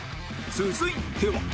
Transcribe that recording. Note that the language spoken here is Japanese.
続いては